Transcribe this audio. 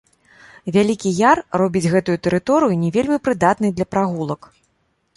Вялікі яр робіць гэтую тэрыторыю не вельмі прыдатнай для прагулак.